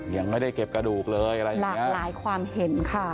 ยังไม่ได้เก็บกระดูกเลยอะไรอย่างนี้หลายความเห็นค่ะ